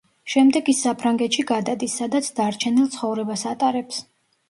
შემდეგ ის საფრანგეთში გადადის, სადაც დარჩენილ ცხოვრებას ატარებს.